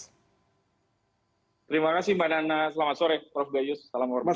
terima kasih mbak nana selamat sore prof gayus salam hormat